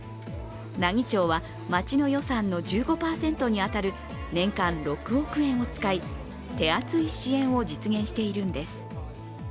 奈義町は町の予算の１５％に当たる年間６億円を使い手厚い支援を実現しているんです。